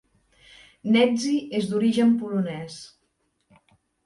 Nedzi és d'origen polonès.